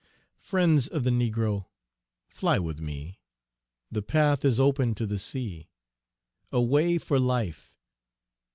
Friends of the Negro! fly with me, The path is open to the sea; "Away for life!"